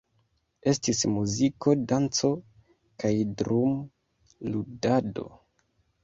Estis muziko, danco kaj drum-ludado.